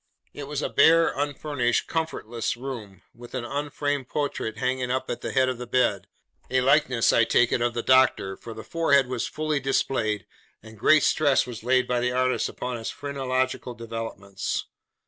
It was a bare, unfurnished, comfortless room, with an unframed portrait hanging up at the head of the bed; a likeness, I take it, of the Doctor, for the forehead was fully displayed, and great stress was laid by the artist upon its phrenological developments.